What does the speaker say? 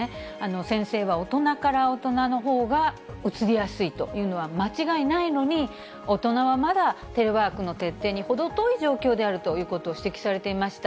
先生は、大人から大人のほうがうつりやすいというのは間違いないのに、大人はまだテレワークの徹底に程遠い状況であるということを指摘されていました。